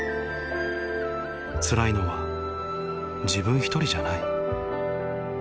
「つらいのは自分一人じゃない」